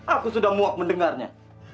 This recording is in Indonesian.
aku sudah muak mendengarnya